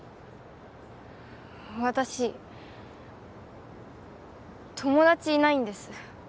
私友達いないんです